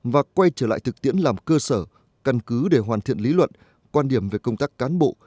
và quay trở lại thực tiễn làm cơ sở căn cứ để hoàn thiện lý luận quan điểm về công tác cán bộ